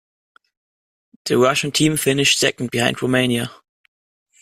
The Russian team finished second behind Romania.